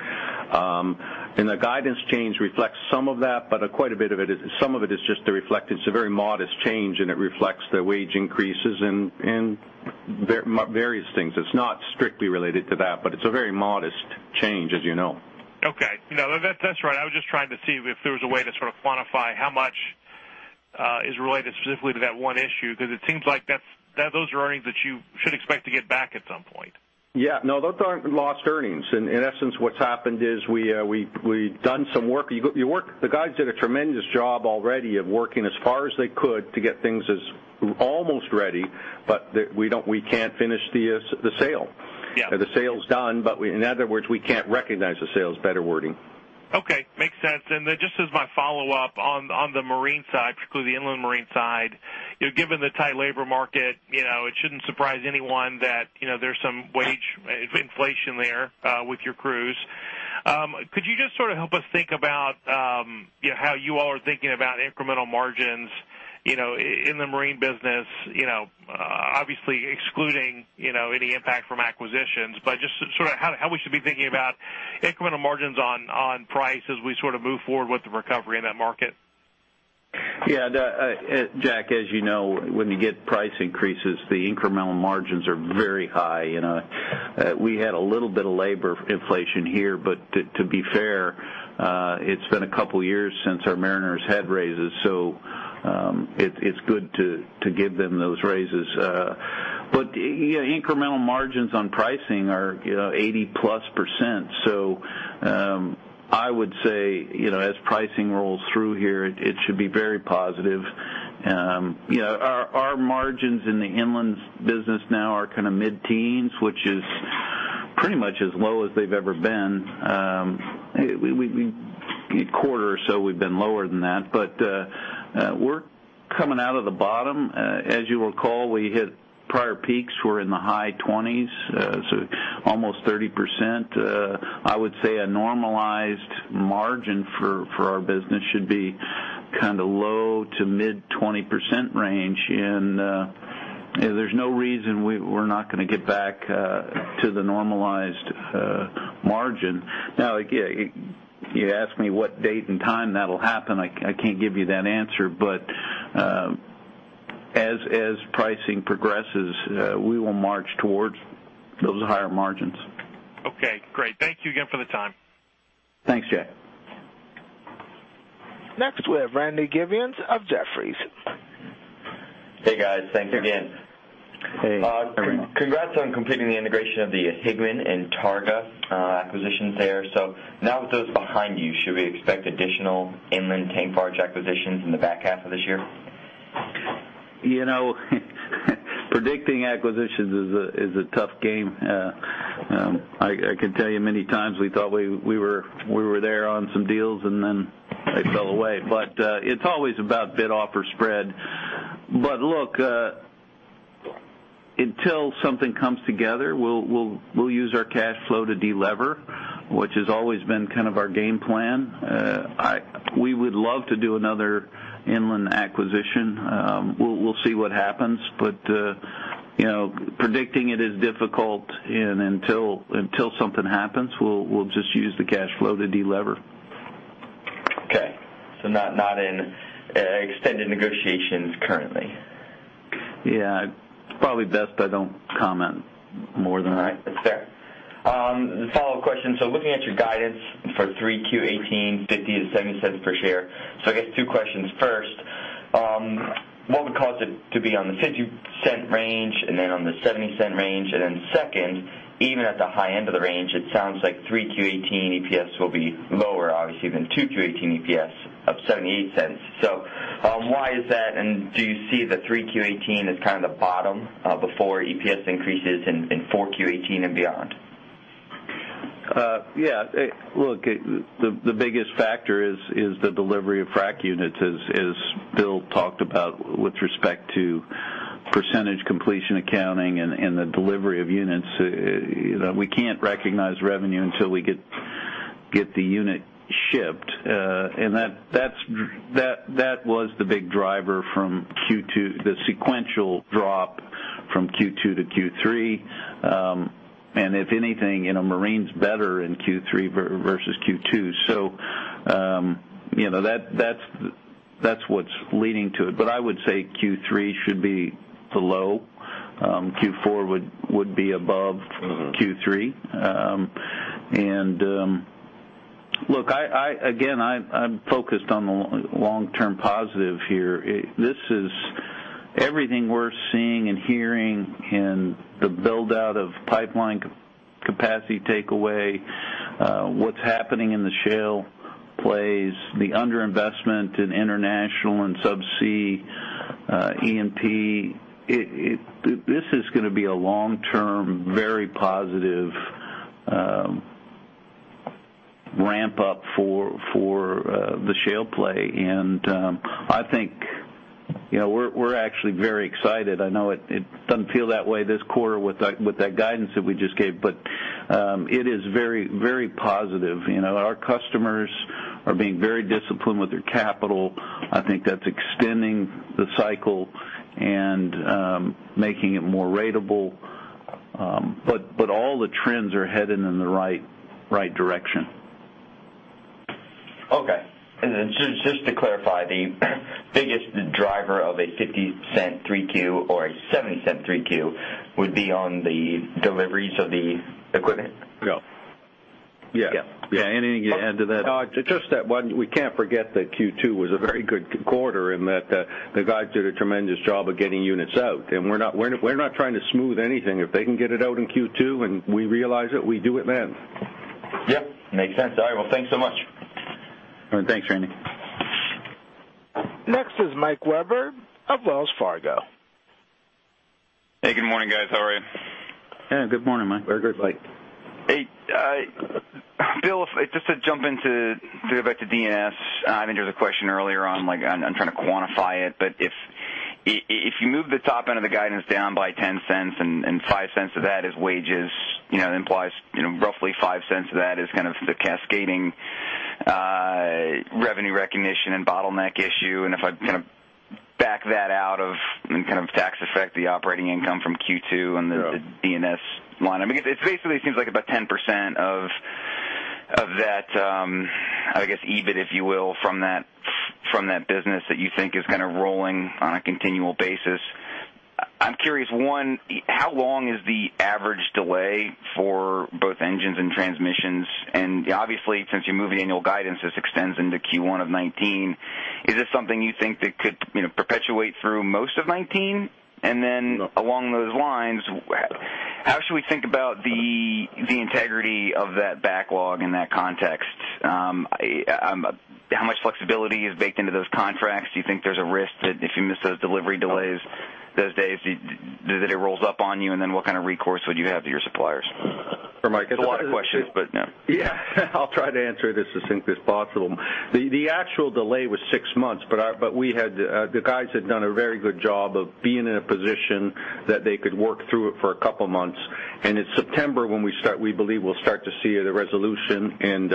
And the guidance change reflects some of that, but quite a bit of it is some of it is just to reflect it's a very modest change, and it reflects the wage increases and various things. It's not strictly related to that, but it's a very modest change, as you know. Okay. No, that's right. I was just trying to see if there was a way to sort of quantify how much is related specifically to that one issue, because it seems like that's, those are earnings that you should expect to get back at some point. Yeah. No, those aren't lost earnings. In essence, what's happened is we've done some work. The guys did a tremendous job already of working as far as they could to get things as almost ready, but we don't—we can't finish the sale. Yeah. The sale's done, but we... In other words, we can't recognize the sale is better wording. Okay, makes sense. And then just as my follow-up, on the marine side, particularly the inland marine side, you know, given the tight labor market, you know, it shouldn't surprise anyone that, you know, there's some wage inflation there with your crews. Could you just sort of help us think about, and how you all are thinking about incremental margins, you know, in the marine business? You know, obviously excluding, you know, any impact from acquisitions, but just sort of how we should be thinking about incremental margins on price as we sort of move forward with the recovery in that market. Yeah, the, Jack, as you know, when you get price increases, the incremental margins are very high. You know, we had a little bit of labor inflation here, but to be fair, it's been a couple years since our mariners had raises, so it's good to give them those raises. But, yeah, incremental margins on pricing are, you know, 80%+. So, I would say, you know, as pricing rolls through here, it should be very positive. You know, our margins in the inland business now are kind of mid-teens, which is pretty much as low as they've ever been. We, a quarter or so, we've been lower than that. But, we're coming out of the bottom. As you recall, we hit prior peaks were in the high 20s, so almost 30%. I would say a normalized margin for our business should be kind of low-to-mid 20% range, and there's no reason we're not gonna get back to the normalized margin. Now, again, you ask me what date and time that'll happen, I can't give you that answer. But as pricing progresses, we will march towards those higher margins. Okay, great. Thank you again for the time. Thanks, Jack. Next, we have Randy Givens of Jefferies. Hey, guys. Thanks again. Hey. Congrats on completing the integration of the Higman and Targa acquisitions there. So now with those behind you, should we expect additional inland tank barge acquisitions in the back half of this year? You know, predicting acquisitions is a, is a tough game. I can tell you many times we thought we were there on some deals, and then they fell away. But, it's always about bid-offer spread. But look, until something comes together, we'll use our cash flow to delever, which has always been kind of our game plan. We would love to do another inland acquisition. We'll see what happens, but, you know, predicting it is difficult, and until something happens, we'll just use the cash flow to delever. Okay, so not, not in, extended negotiations currently? Yeah. It's probably best I don't comment more than that. All right. That's fair. The follow-up question: So looking at your guidance for 3Q 2018, $0.50-$0.70 per share. So I guess two questions. First, what would cause it to be on the 50-cent range and then on the 70-cent range? And then second, even at the high end of the range, it sounds like 3Q 2018 EPS will be lower, obviously, than 2Q 2018 EPS of $0.78. So, why is that? And do you see the 3Q 2018 as kind of the bottom before EPS increases in 4Q 2018 and beyond? Yeah. Look, the biggest factor is the delivery of frack units, as Bill talked about, with respect to percentage completion accounting and the delivery of units. You know, we can't recognize revenue until we get the unit shipped, and that was the big driver from Q2-the sequential drop from Q2 to Q3. And if anything, you know, marine's better in Q3 versus Q2. So, you know, that's what's leading to it. But I would say Q3 should be the low. Q4 would be above- Mm-hmm. Look, again, I'm focused on the long-term positive here. This is everything we're seeing and hearing in the build-out of pipeline capacity takeaway, what's happening in the shale plays, the underinvestment in international and subsea, E&P. This is gonna be a long-term, very positive, ramp up for the shale play. And, I think, you know, we're actually very excited. I know it doesn't feel that way this quarter with that guidance that we just gave, but, it is very, very positive. You know, our customers are being very disciplined with their capital. I think that's extending the cycle and, making it more ratable. But all the trends are headed in the right direction. Okay. Then just to clarify, the biggest driver of a $0.50 3Q or a $0.70 3Q would be on the deliveries of the equipment? Yeah. Yeah. Yeah, anything you add to that? Just that one, we can't forget that Q2 was a very good quarter, and that, the guys did a tremendous job of getting units out, and we're not, we're not trying to smooth anything. If they can get it out in Q2, and we realize it, we do it then. Yep, makes sense. All right. Well, thanks so much. All right, thanks, Randy. Next is Mike Webber of Wells Fargo. Hey, good morning, guys. How are you? Yeah, good morning, Mike. Very good, Mike. Hey, Bill, just to jump into, back to D&S, I think there was a question earlier on, like, I'm trying to quantify it, but if you move the top end of the guidance down by $0.10 and $0.05 of that is wages, you know, it implies, you know, roughly $0.05 of that is kind of the cascading revenue recognition and bottleneck issue. And if I kind of back that out of, and kind of tax effect, the operating income from Q2- Yeah and the D&S line, I mean, it basically seems like about 10% of, of that, I guess, EBIT, if you will, from that, from that business that you think is kind of rolling on a continual basis. I'm curious, one, how long is the average delay for both engines and transmissions? And obviously, since you moved the annual guidance, this extends into Q1 of 2019. Is this something you think that could, you know, perpetuate through most of 2019? And then- No Along those lines, how should we think about the integrity of that backlog in that context? How much flexibility is baked into those contracts? Do you think there's a risk that if you miss those delivery delays, those days, that it rolls up on you? And then, what kind of recourse would you have to your suppliers? For Mike, it- It's a lot of questions, but no. Yeah. I'll try to answer it as succinctly as possible. The actual delay was 6 months, but we had the guys had done a very good job of being in a position that they could work through it for a couple months. And it's September, when we start, we believe we'll start to see the resolution. And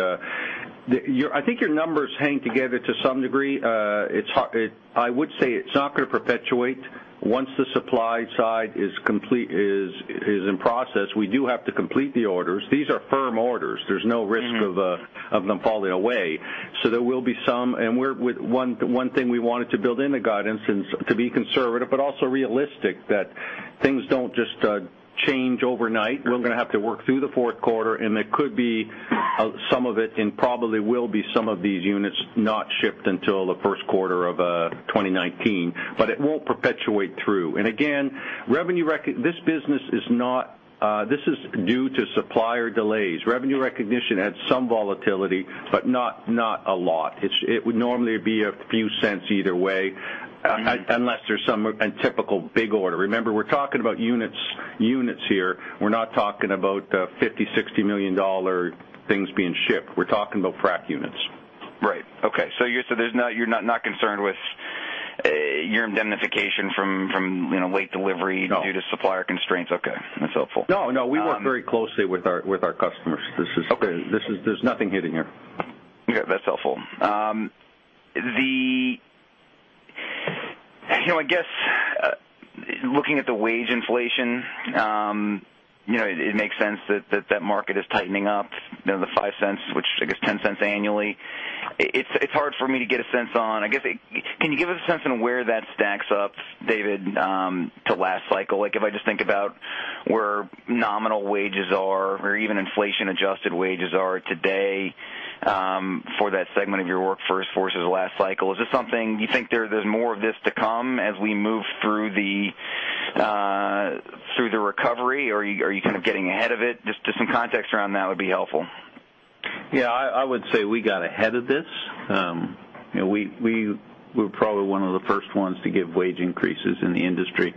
your numbers hang together to some degree. It's hard, it, I would say it's not gonna perpetuate once the supply side is complete, is in process. We do have to complete the orders. These are firm orders. There's no risk- Mm-hmm of them falling away. So there will be some. And we're with one thing we wanted to build in the guidance and to be conservative, but also realistic, that things don't just change overnight. Sure. We're gonna have to work through the fourth quarter, and there could be some of it, and probably will be some of these units not shipped until the first quarter of 2019, but it won't perpetuate through. And again, revenue rec- this business is not, this is due to supplier delays. Revenue recognition adds some volatility, but not a lot. It would normally be a few cents either way. Mm-hmm Unless there's some untypical big order. Remember, we're talking about units, units here. We're not talking about $50 million-$60 million things being shipped. We're talking about frac units. Right. Okay. So you're not concerned with your indemnification from, from, you know, late delivery- No due to supplier constraints? Okay, that's helpful. No, no, we work very closely with our, with our customers. This is- Okay... this is, there's nothing hidden here. Okay, that's helpful. You know, I guess, looking at the wage inflation, you know, it makes sense that that market is tightening up. You know, the $0.05, which I guess $0.10 annually, it's hard for me to get a sense on. I guess, can you give us a sense on where that stacks up, David, to last cycle? Like, if I just think about where nominal wages are or even inflation-adjusted wages are today, for that segment of your workforce versus last cycle, is this something you think there's more of this to come as we move through the recovery? Or are you kind of getting ahead of it? Just some context around that would be helpful. Yeah, I would say we got ahead of this. You know, we're probably one of the first ones to give wage increases in the industry.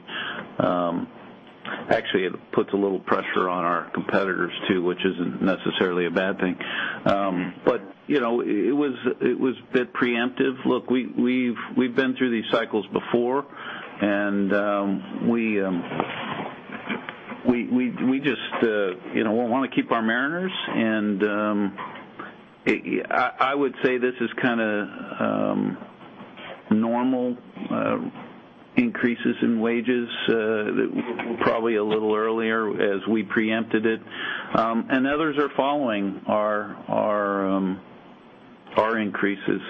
Actually, it puts a little pressure on our competitors, too, which isn't necessarily a bad thing. But, you know, it was a bit preemptive. Look, we've been through these cycles before, and we just wanna keep our mariners. I would say this is kind of normal increases in wages that were probably a little earlier as we preempted it, and others are following our increases.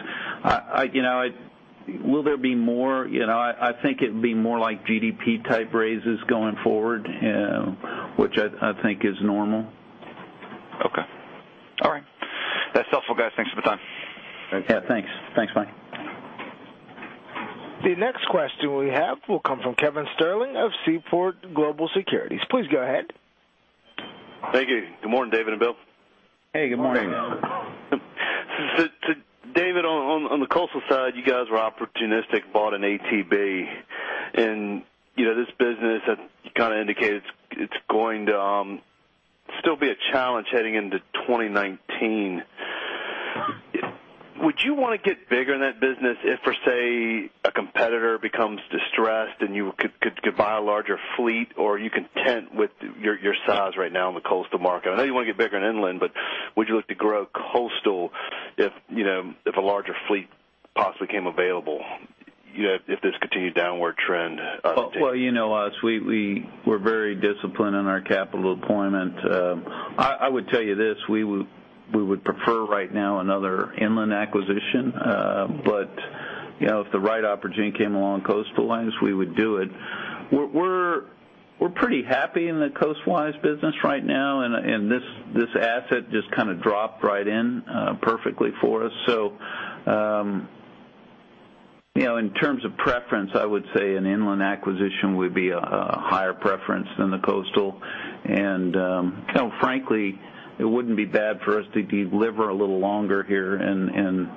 You know, will there be more? You know, I think it'd be more like GDP-type raises going forward, which I think is normal. Okay. All right. That's helpful, guys. Thanks for the time. Thank you. Yeah, thanks. Thanks, Mike. The next question we have will come from Kevin Sterling of Seaport Global Securities. Please go ahead. Thank you. Good morning, David and Bill. Hey, good morning. So to David, on the coastal side, you guys were opportunistic, bought an ATB. And, you know, this business, as you kind of indicated, it's going to still be a challenge heading into 2019. Would you want to get bigger in that business if, for say, a competitor becomes distressed and you could buy a larger fleet, or are you content with your size right now in the coastal market? I know you want to get bigger in inland, but would you look to grow coastal if, you know, if a larger fleet possibly came available, if this continued downward trend continues? Well, you know us, we're very disciplined in our capital deployment. I would tell you this, we would prefer right now another inland acquisition. But, you know, if the right opportunity came along coastal lines, we would do it. We're pretty happy in the coastwise business right now, and this asset just kind of dropped right in, perfectly for us. So, you know, in terms of preference, I would say an inland acquisition would be a higher preference than the coastal. And, you know, frankly, it wouldn't be bad for us to deliver a little longer here and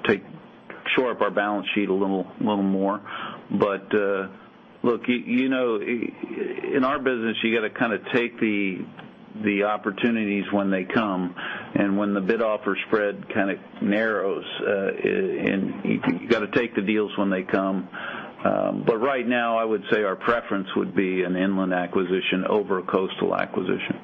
shore up our balance sheet a little more. But, look, you know, in our business, you got to kind of take the opportunities when they come. When the bid-offer spread kind of narrows, and you got to take the deals when they come. But right now, I would say our preference would be an inland acquisition over a coastal acquisition.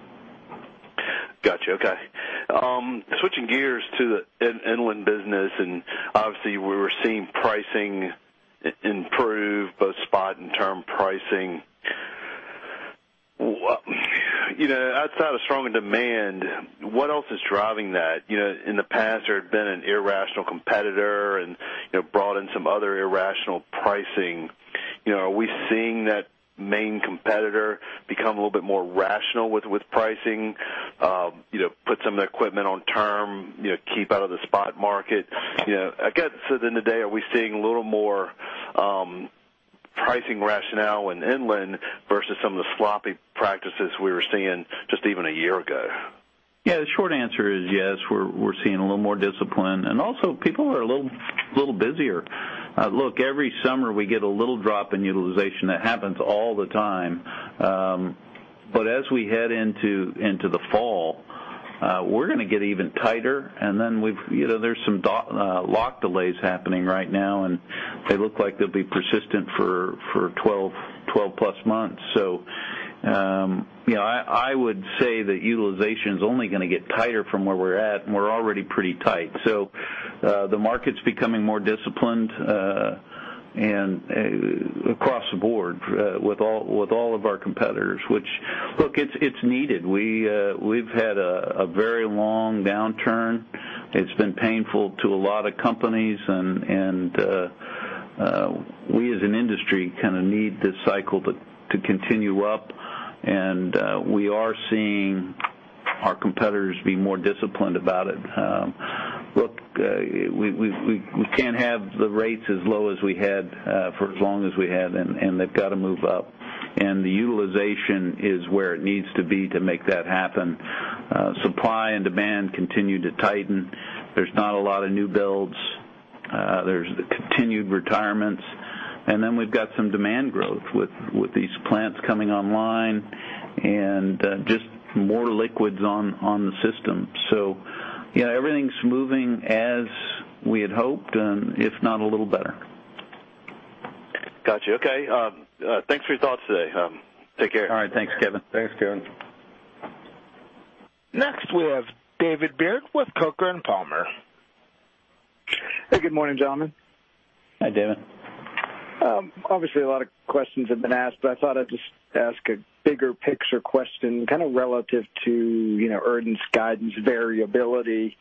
Gotcha. Okay. Switching gears to the inland business, and obviously, we were seeing pricing improve, both spot and term pricing. What, you know, outside of stronger demand, what else is driving that? You know, in the past, there had been an irrational competitor and, you know, brought in some other irrational pricing. You know, are we seeing that main competitor become a little bit more rational with pricing, you know, put some of the equipment on term, you know, keep out of the spot market? You know, I guess, at the end of the day, are we seeing a little more pricing rationale in inland versus some of the sloppy practices we were seeing just even a year ago? Yeah, the short answer is, yes, we're seeing a little more discipline, and also people are a little busier. Look, every summer we get a little drop in utilization. That happens all the time. But as we head into the fall, we're going to get even tighter, and then we've. You know, there's some lock delays happening right now, and they look like they'll be persistent for 12, 12+ months. So, you know, I would say that utilization is only going to get tighter from where we're at, and we're already pretty tight. So, the market's becoming more disciplined, and across the board with all of our competitors, which, look, it's needed. We've had a very long downturn. It's been painful to a lot of companies, and we, as an industry, kind of need this cycle to continue up, and we are seeing our competitors be more disciplined about it. Look, we can't have the rates as low as we had for as long as we had, and they've got to move up. And the utilization is where it needs to be to make that happen. Supply and demand continue to tighten. There's not a lot of new builds. There's the continued retirements, and then we've got some demand growth with these plants coming online and just more liquids on the system. So yeah, everything's moving as we had hoped, and if not, a little better. Gotcha. Okay. Thanks for your thoughts today. Take care. All right. Thanks, Kevin. Thanks, Kevin. Next, we have David Beard with Coker & Palmer. Hey, good morning, gentlemen. Hi, David. Obviously, a lot of questions have been asked, but I thought I'd just ask a bigger picture question, kind of relative to, you know, earnings guidance variability.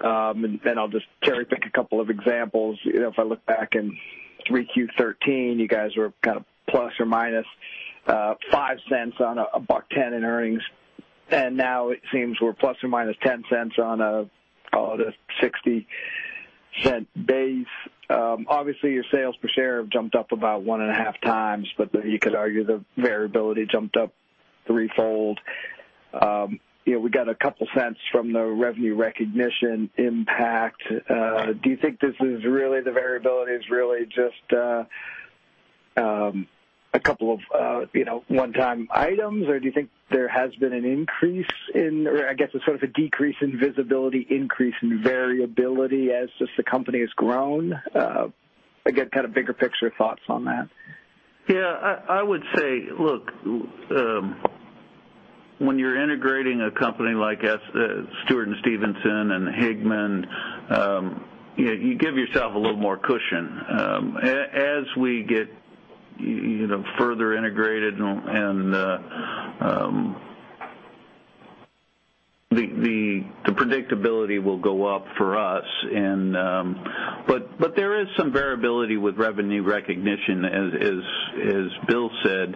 And I'll just cherry-pick a couple of examples. You know, if I look back in 3Q 13, you guys were kind of ±$0.05 on a $1.10 in earnings, and now it seems we're ±$0.10 on a $0.60 base. Obviously, your sales per share have jumped up about 1.5 times, but you could argue the variability jumped up threefold. You know, we got a couple of cents from the revenue recognition impact. Do you think this is really the variability is really just a couple of, you know, one-time items, or do you think there has been an increase in, or I guess, a sort of a decrease in visibility, increase in variability as just the company has grown? Again, kind of bigger picture thoughts on that. Yeah, I would say, look, when you're integrating a company like Stewart & Stevenson and Higman, you give yourself a little more cushion. As we get, you know, further integrated and the predictability will go up for us, and but there is some variability with revenue recognition, as Bill said,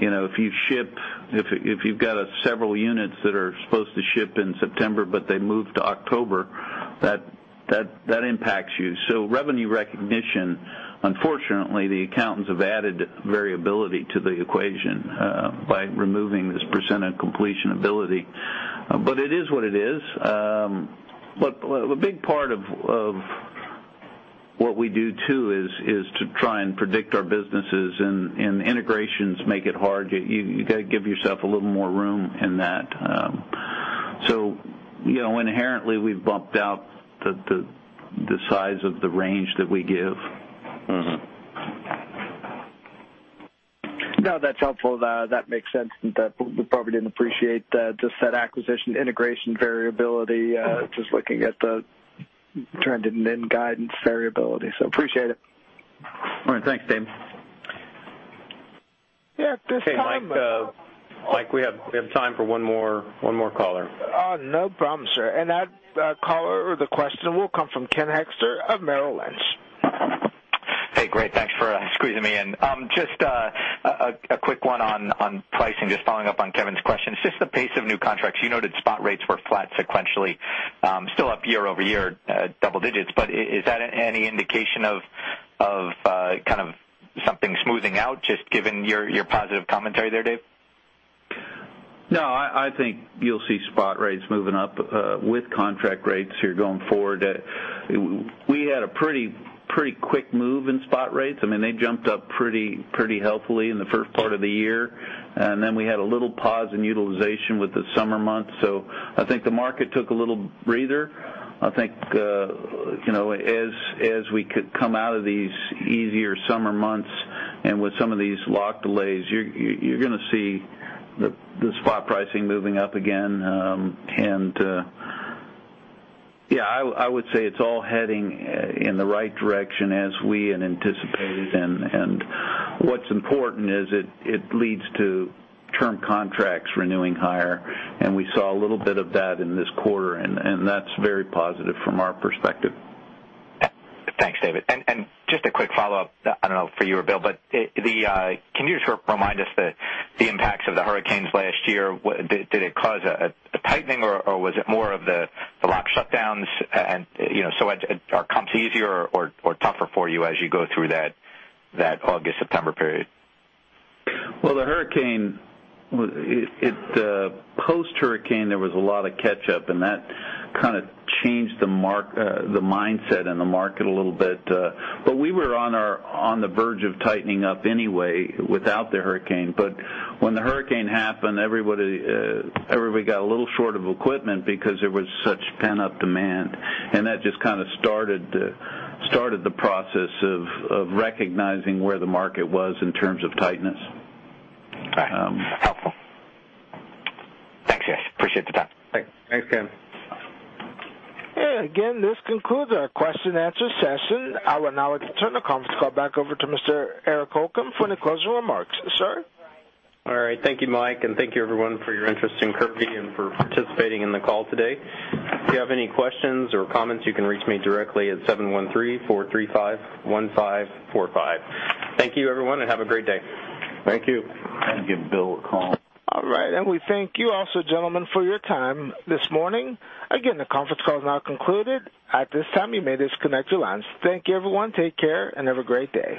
you know, if you ship—if you've got several units that are supposed to ship in September, but they move to October, that impacts you. So revenue recognition, unfortunately, the accountants have added variability to the equation by removing this percent of completion ability. But it is what it is. But a big part of what we do, too, is to try and predict our businesses, and integrations make it hard. You gotta give yourself a little more room in that. So, you know, inherently, we've bumped out the size of the range that we give. Mm-hmm. No, that's helpful. That makes sense, that we probably didn't appreciate the, just that acquisition integration variability, just looking at the trend in, in guidance variability, so appreciate it. All right. Thanks, Dave. Yeah, at this time- Hey, Mike, we have time for one more caller. No problem, sir. That caller or the question will come from Ken Hoexter of Merrill Lynch. Hey, great, thanks for squeezing me in. Just a quick one on pricing, just following up on Kevin's question. Just the pace of new contracts, you noted spot rates were flat sequentially, still up year-over-year, double digits, but is that any indication of kind of something smoothing out, just given your positive commentary there, Dave? No, I think you'll see spot rates moving up with contract rates here going forward. We had a pretty quick move in spot rates. I mean, they jumped up pretty healthily in the first part of the year, and then we had a little pause in utilization with the summer months, so I think the market took a little breather. I think you know, as we come out of these easier summer months, and with some of these lock delays, you're gonna see the spot pricing moving up again. And yeah, I would say it's all heading in the right direction as we had anticipated, and what's important is it leads to term contracts renewing higher, and we saw a little bit of that in this quarter, and that's very positive from our perspective. Yeah. Thanks, David. And just a quick follow-up, I don't know, for you or Bill, but the can you just remind us the impacts of the hurricanes last year? Did it cause a tightening, or was it more of the lock shutdowns? And, you know, so are comps easier or tougher for you as you go through that August-September period? Well, the hurricane with it, post-hurricane, there was a lot of catch up, and that kind of changed the mindset in the market a little bit, but we were on the verge of tightening up anyway, without the hurricane. But when the hurricane happened, everybody got a little short of equipment because there was such pent-up demand, and that just kind of started the process of recognizing where the market was in terms of tightness. Got it. Helpful. Thanks, guys. Appreciate the time. Thanks, Ken. Again, this concludes our question and answer session. I will now turn the conference call back over to Mr. Eric Holcomb for any closing remarks. Sir? All right. Thank you, Mike, and thank you, everyone, for your interest in Kirby and for participating in the call today. If you have any questions or comments, you can reach me directly at 713-435-1545. Thank you, everyone, and have a great day. Thank you. I'm gonna give Bill a call. All right, and we thank you also, gentlemen, for your time this morning. Again, the conference call is now concluded. At this time, you may disconnect your lines. Thank you, everyone. Take care, and have a great day.